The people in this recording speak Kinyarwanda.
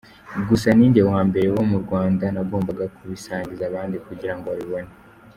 Gusa ninjye wa mbere wo mu Rwanda, nagombaga kubisangiza abandi kugira ngo babibone.